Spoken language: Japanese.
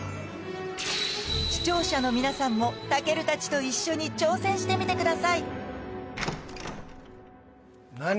視聴者の皆さんも健たちと一緒に挑戦してみてください何？